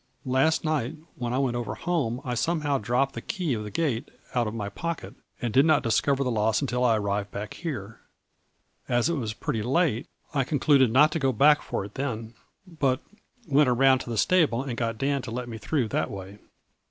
Last night when I went over A FLUB11Y IN DIAMONDS. 109 home I somehow dropped the key of the gate out of my pocket and did not discover the loss until I arrived back here. As it was pretty late I concluded not to go back for it then, but went around to the stable and got Dan to let me through that way.